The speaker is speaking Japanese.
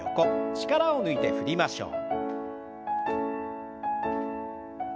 力を抜いて振りましょう。